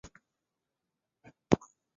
卢家进和妻子有两人孩子。